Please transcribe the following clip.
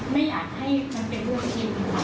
เราแค่ต้องบอกว่า